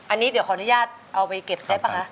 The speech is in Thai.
อันนี้เดี๋ยวขออนุญาตเอาไปเก็บได้ป่ะคะ